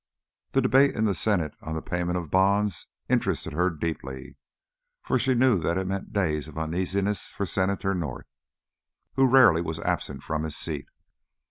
The debate in the Senate on the payment of bonds interested her deeply, for she knew that it meant days of uneasiness for Senator North, who rarely was absent from his seat.